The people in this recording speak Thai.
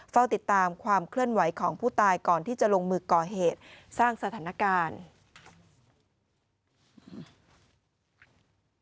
เฝ้าติดตามความเคลื่อนไหวของผู้ตายก่อนที่จะลงมือก่อเหตุสร้างสถานการณ์